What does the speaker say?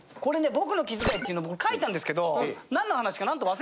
僕の気遣いっていうの書いたんですけど。